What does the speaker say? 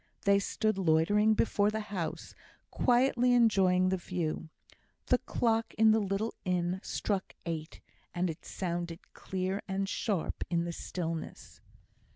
They stood loitering before the house, quietly enjoying the view. The clock in the little inn struck eight, and it sounded clear and sharp in the stillness.